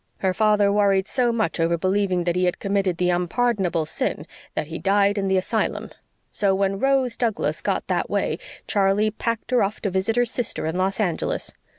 Her father worried so much over believing that he had committed the unpardonable sin that he died in the asylum. So when Rose Douglas got that way Charley packed her off to visit her sister in Los Angeles.